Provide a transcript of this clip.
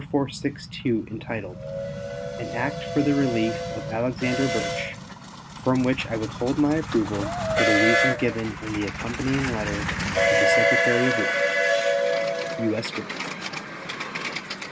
4462, entitled "An act for the relief of Alexander Burtch," from which I withhold my approval for the reasons given in the accompanying letter of the Secretary of War. U.S. GRANT.